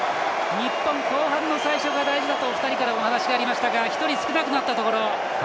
日本、後半の最初が大事だとお二人からお話がありましたが１人、少なくなったところ。